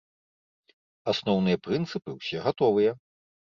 Асноўныя прынцыпы ўсе гатовыя.